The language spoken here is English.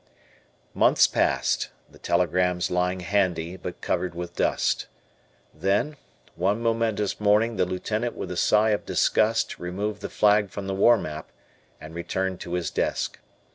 Months passed, the telegrams lying handy, but covered with dust. Then, one momentous morning the Lieutenant with a sigh of disgust removed the flag from the war map and returned to his desk.